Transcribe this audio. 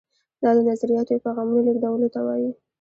دا د نظریاتو او پیغامونو لیږدولو ته وایي.